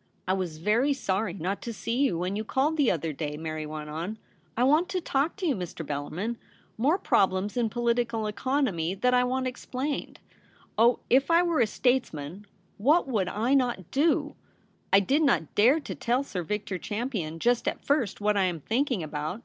' I was very sorry not to see you when you called the other day,' Mary went on. ' I want to talk to you, Mr. Bellarmin — more problems in political economy that I want explained. Oh, if I were a statesman, what MARTS RECEPTION. 263 would I not do ! I did not dare to tell Sir Victor Champion just at first what I am thinking about.